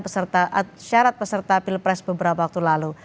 syarat peserta pilpres beberapa waktu lalu